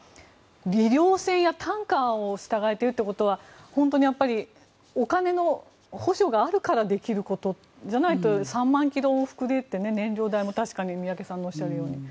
医療船やタンカーを従えているということは本当にお金の補助があるからできることじゃないと３万ｋｍ往復でって燃料代も宮家さんがおっしゃるように。